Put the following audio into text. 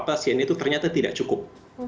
pasien itu ternyata tidak cukup